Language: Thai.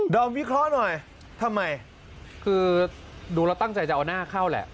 อมวิเคราะห์หน่อยทำไมคือดูแล้วตั้งใจจะเอาหน้าเข้าแหละ